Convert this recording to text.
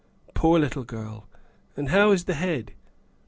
" Poor little girl! And how is the head?"